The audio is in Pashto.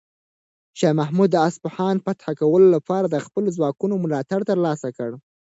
شاه محمود د اصفهان فتح کولو لپاره د خپلو ځواکونو ملاتړ ترلاسه کړ.